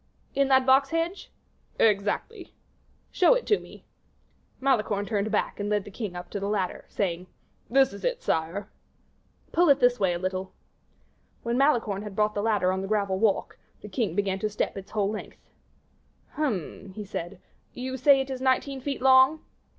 "In that box hedge?" "Exactly." "Show it to me." Malicorne turned back, and led the king up to the ladder, saying, "This is it, sire." "Pull it this way a little." When Malicorne had brought the ladder on to the gravel walk, the king began to step its whole length. "Hum!" he said; "you say it is nineteen feet long?"